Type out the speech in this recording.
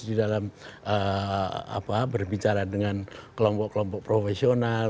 di dalam berbicara dengan kelompok kelompok profesional